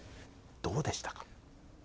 どうでしたか？